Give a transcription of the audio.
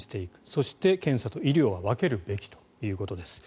そして、検査と医療は分けるべきということです。